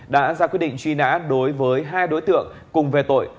đã ra quyết định truy nã đối với hà nội